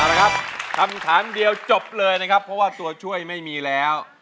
เอาละครับคำถามเดียวจบเลยนะครับเพราะว่าตัวช่วยไม่มีแล้ว